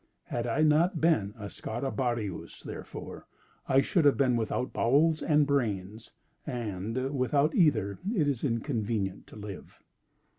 Had I not been a Scarabeus, therefore, I should have been without bowels and brains; and without either it is inconvenient to live."